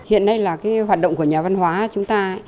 hiện nay là cái hoạt động của nhà văn hóa chúng ta